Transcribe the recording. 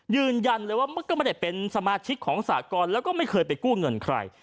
ยืนยันเลยว่าก็ไม่ได้เป็นสมาชิกของสากรแล้วก็ไม่เคยไปกู้เงินใคร